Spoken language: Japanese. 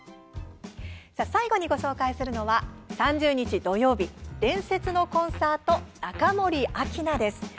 最後にご紹介するのは３０日土曜日「伝説のコンサート中森明菜」です。